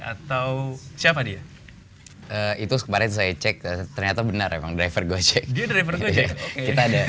atau siapa dia itu kemarin saya cek ternyata benar emang driver gojek